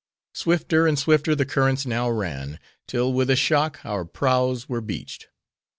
Swifter and swifter the currents now ran; till with a shock, our prows were beached.